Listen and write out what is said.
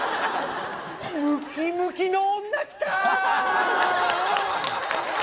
ムキムキの女来た！